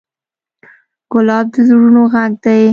ګلاب د زړونو غږ دی.